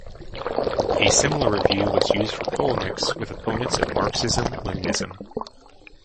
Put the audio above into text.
A similar review was used for polemics with opponents of Marxism–Leninism.